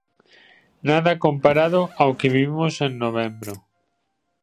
Nada comparado ao que vivimos en novembro.